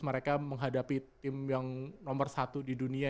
mereka menghadapi tim yang nomor satu di dunia